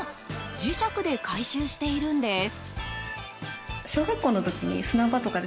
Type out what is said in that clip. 磁石で回収しているんです。